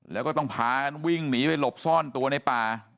แล้วก็ต้องพากันวิ่งหนีไปหลบซ่อนตัวในป่า